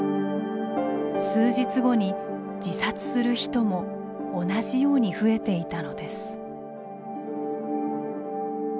数日後に自殺する人も同じように増えていたのです。